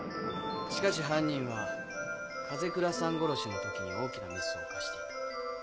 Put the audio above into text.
しかし犯人は風倉さん殺しの時に大きなミスを犯していた。